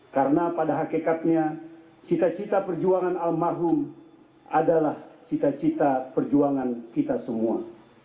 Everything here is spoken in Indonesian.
karena pada hakikatnya cita cita perjuangan almarhum adalah cita cita perjuangan kita semua